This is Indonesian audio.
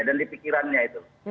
dan di pikirannya itu